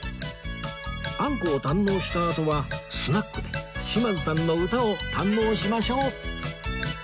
あんこを堪能したあとはスナックで島津さんの歌を堪能しましょう